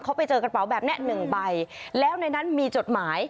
เขาไปเจอกระเป๋าแบบนี้หนึ่งใบแล้วในนั้นมีจดหมาย